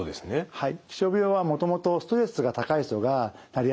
はい。